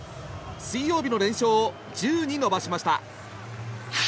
水曜日の連勝を１０に伸ばしました。